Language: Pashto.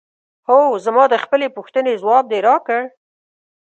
هو زما د خپلې پوښتنې ځواب دې راکړ؟